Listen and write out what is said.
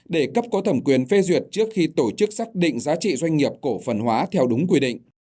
để cấp có thẩm quyền phê duyệt trước khi tổ chức xác định giá trị doanh nghiệp cổ phần hóa theo đúng quy định